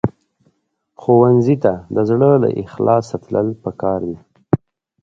ښوونځی ته د زړه له اخلاصه تلل پکار دي